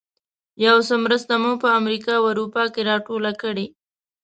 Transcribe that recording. یو څه مرسته مو په امریکا او اروپا کې راټوله کړې.